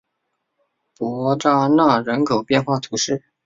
伯扎讷人口变化图示